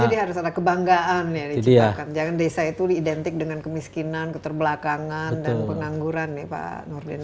harus ada kebanggaan ya diciptakan jangan desa itu diidentik dengan kemiskinan keterbelakangan dan pengangguran ya pak nurdin